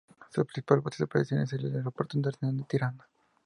Su principal base de operaciones es el Aeropuerto Internacional de Tirana.